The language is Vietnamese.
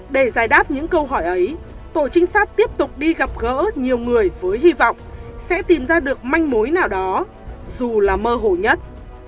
để giải đáp những câu hỏi ấy tổ trinh sát tiếp tục đi gặp gỡ nhiều người với hy vọng sẽ tìm ra được manh mối nào đó dù là mơ hồ nhất